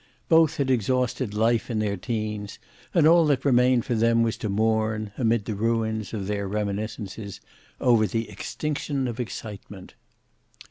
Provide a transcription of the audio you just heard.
Both had exhausted life in their teens, and all that remained for them was to mourn, amid the ruins of their reminiscences, over the extinction of excitement.